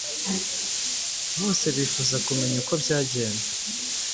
Bose bifuza kumenya uko byagenze.